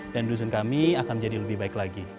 dan dusun kami akan jadi lebih baik lagi